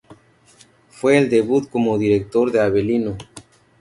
Fue el debut como director de Avelino.